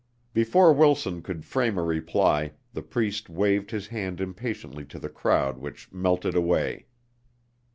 Before Wilson could frame a reply, the Priest waved his hand impatiently to the crowd which melted away.